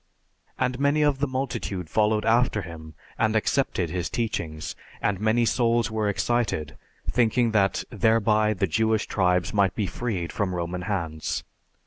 "And many of the multitude followed after him and accepted his teachings, and many souls were excited, thinking that thereby the Jewish tribes might be freed from Roman hands.